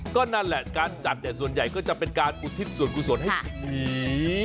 ก็นั่นแหละการจัดเนี่ยส่วนใหญ่ก็จะเป็นการอุทิศส่วนกุศลให้หมี